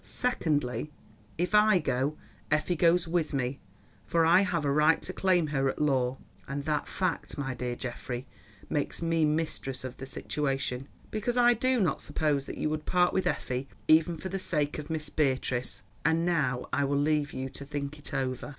Secondly, if I go, Effie goes with me, for I have a right to claim her at law; and that fact, my dear Geoffrey, makes me mistress of the situation, because I do not suppose that you would part with Effie even for the sake of Miss Beatrice. And now I will leave you to think it over."